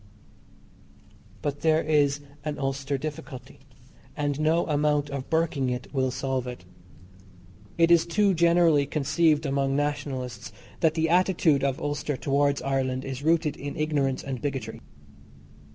But there is an Ulster difficulty, and no amount of burking it will solve it. It is too generally conceived among Nationalists that the attitude of Ulster towards Ireland is rooted in ignorance and bigotry.